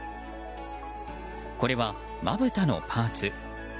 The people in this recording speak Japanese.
これは、まぶたのパーツ。